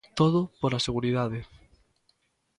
Todo por a seguridade.